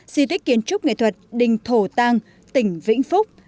di tích kiến trúc nghệ thuật đình thổ tăng tỉnh vĩnh phúc